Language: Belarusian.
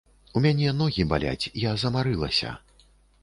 У мяне ногі баляць, я замарылася.